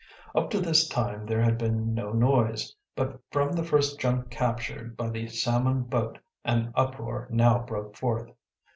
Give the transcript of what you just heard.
Up to this time there had been no noise, but from the first junk captured by the salmon boat an uproar now broke forth.